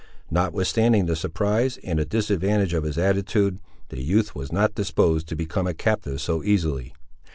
Notwithstanding the surprise and the disadvantage of his attitude, the youth was not disposed to become a captive so easily.